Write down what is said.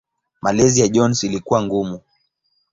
Malezi ya Jones ilikuwa ngumu.